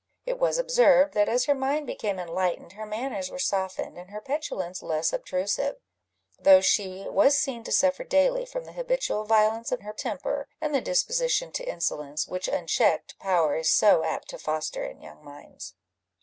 It was observed, that as her mind became enlightened, her manners were softened, and her petulance less obtrusive, though she was seen to suffer daily from the habitual violence of her temper, and the disposition to insolence, which unchecked power is so apt to foster in young minds.